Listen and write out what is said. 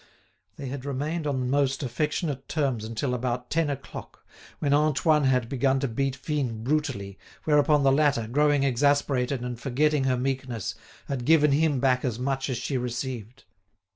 They had remained on most affectionate terms until about ten o'clock, when Antoine had begun to beat Fine brutally, whereupon the latter, growing exasperated and forgetting her meekness, had given him back as much as she received.